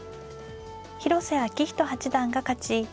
広瀬章人八段が勝ち